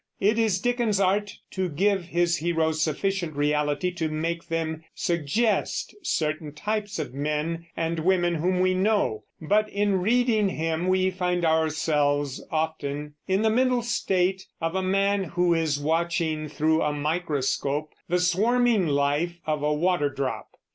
It is Dickens's art to give his heroes sufficient reality to make them suggest certain types of men and women whom we know; but in reading him we find ourselves often in the mental state of a man who is watching through a microscope the swarming life of a water drop.